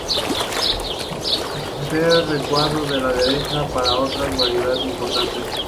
Ver recuadro de la derecha para otras variedades importantes.